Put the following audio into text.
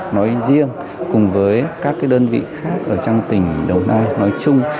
nói riêng cùng với các đơn vị khác ở trong tỉnh đồng nai nói chung